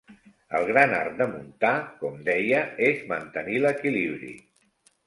El gran art de muntar, com deia, és mantenir l'equilibri.